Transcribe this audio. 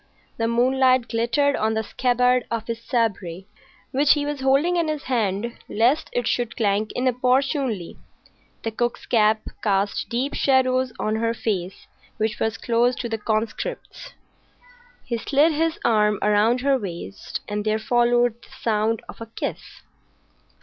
The moonlight glittered on the scabbard of his sabre, which he was holding in his hand lest it should clank inopportunely. The cook's cap cast deep shadows on her face, which was close to the conscript's. He slid his arm round her waist, and there followed the sound of a kiss.